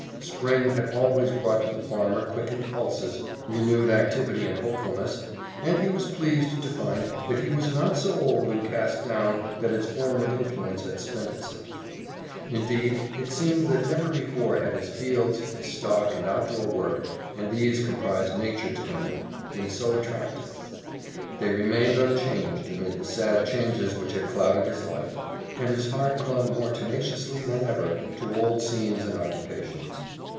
Spring had always brought to the farmer quickened pulses, renewed activity and hopefulness, and he was pleased to find that he was not so old and cast down that its former influence had spent itself. Indeed, it seemed that never before had his fields, his stock, and outdoor work and these comprised Nature to him been so attractive. They remained unchanged amid the sad changes which had clouded his life, and his heart clung more tenaciously than ever to old scenes and occupations.